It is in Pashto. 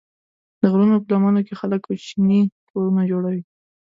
د غرونو په لمنو کې خلک کوچني کورونه جوړوي.